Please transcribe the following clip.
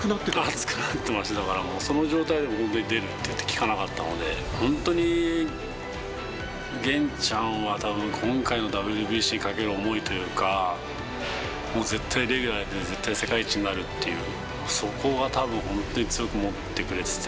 熱くなってました、だからその状態で出るって言って聞かなかったので、本当に源ちゃんは、たぶん、今回のＷＢＣにかける思いというか、もう絶対レギュラーで出て、絶対に世界一になるっていう、そこがたぶん本当に強く思ってくれてて。